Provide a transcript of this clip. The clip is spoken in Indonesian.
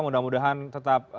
mudah mudahan tetap selamat